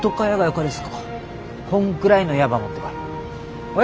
こんくらいの矢ば持ってこい。